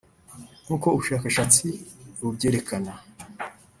Nk’uko ubushakashatsi bubyerekana